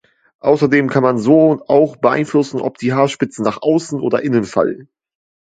Außerdem kann man so auch beeinflussen, ob die Haarspitzen nach außen oder innen fallen.